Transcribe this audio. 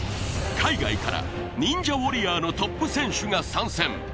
海外からニンジャ・ウォリアーのトップ選手が参戦。